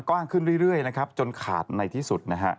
กว้างขึ้นเรื่อยจนขาดในที่สุด